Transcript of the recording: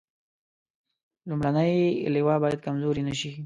لومړنۍ لواء باید کمزورې نه شي.